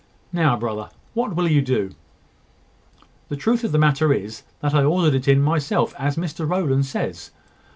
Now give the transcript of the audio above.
Now, brother, what will you do?" "The truth of the matter is, that I ordered it in myself, as Mr Rowland says.